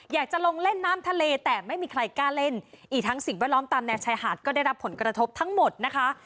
อยากจะลงเล่นน้ำทะเลแต่ไม่มีใครกล้าเล่นอีกทั้งสิ่งแวดล้อมตามแนวชายหาดก็ได้รับผลกระทบทั้งหมดนะคะ